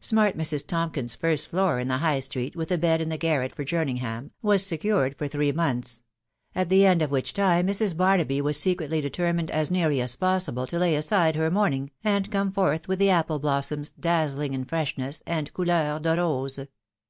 Smart Mrs. Tompkins's first floor in the High Street, with a bed in the garret for Jerningham, was secured for three months ; at the end of which time Mrs. Barnaby was secretly determined as nearly as possible to lay aside her mourning, and come forth with the apple blossoms, dazzling in freshness, and coukur de rose.